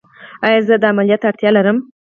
ایا زه عملیات ته اړتیا لرم؟